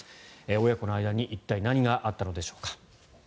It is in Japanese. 親子の間に一体何があったのでしょうか。